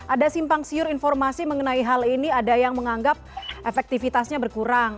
ada simpang siur informasi mengenai hal ini ada yang menganggap efektivitasnya berkurang